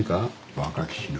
若き日の。